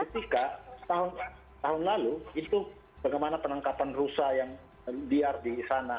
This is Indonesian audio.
ketika tahun lalu itu bagaimana penangkapan rusa yang liar di sana